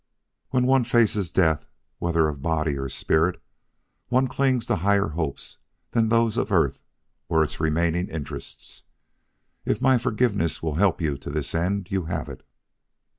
When one faces death, whether of body or spirit, one clings to higher hopes than those of earth or its remaining interests. If my forgiveness will help you to this end, you have it.